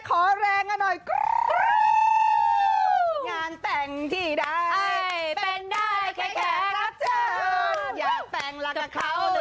คราวนี้ไม่เป็นแครก